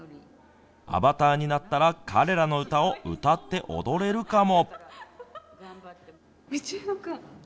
アバターになったら彼らの歌を歌って踊れるかも。